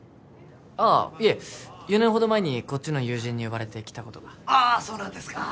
ああいえ４年ほど前にこっちの友人に呼ばれて来たことがああそうなんですか